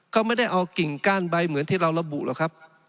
เขาไม่ได้เอากิ่งก้านใบเหมือนที่เราระบุหรอกครับ